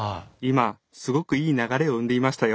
今すごくいい流れを生んでいましたよ。